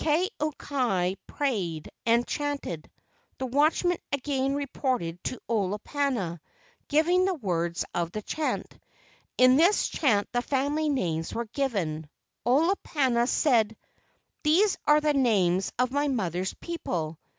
Ka au kai prayed and chanted. The watchmen again reported to Olo¬ pana, giving the words of the chant. In this chant the family names were given. Olopana said: "These are the names of my mother's people.